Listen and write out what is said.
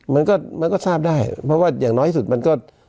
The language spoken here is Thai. มันก็มันก็ทราบได้เพราะว่าอย่างน้อยสุดมันก็